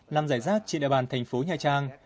nằm giải rác trên địa bàn thành phố nhà trang